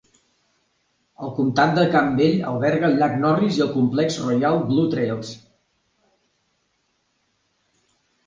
El comtat de Campbell alberga el llac Norris i el complex Royal Blue Trails.